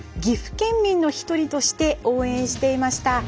岐阜県民の１人として応援していました。